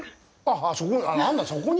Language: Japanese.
あ、そこに。